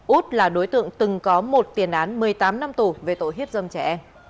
út là đối tượng từng có một tiền án một mươi tám năm tù về tội hiếp dâm trẻ em